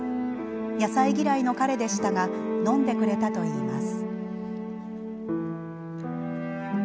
野菜嫌いの彼でしたが飲んでくれたといいます。